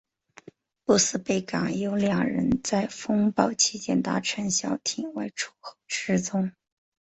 布斯贝港有两人在风暴期间搭乘小艇外出后失踪。